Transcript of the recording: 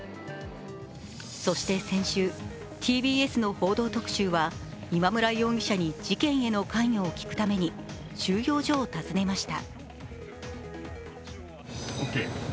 そして先週、ＴＢＳの「報道特集」は今村容疑者に事件への関与を聞くために収容所を訪ねました。